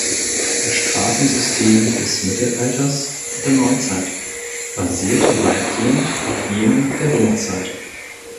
Das Straßensystem des Mittelalters und der Neuzeit basierte weitgehend auf jenem der Römerzeit.